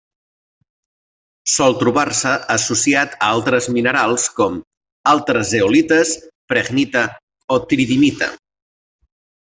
Sol trobar-se associat a altres minerals com: altres zeolites, prehnita o tridimita.